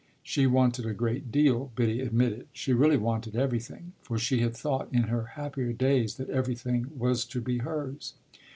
She wanted a great deal, Biddy admitted; she really wanted everything, for she had thought in her happier days that everything was to be hers.